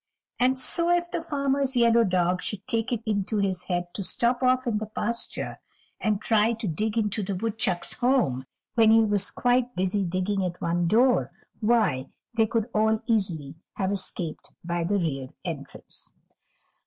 And so if the farmer's yellow dog should take it into his head to stop off in the pasture and try to dig into the woodchuck's home, when he was quite busy digging at one door, why, they could all easily have escaped by the rear entrance.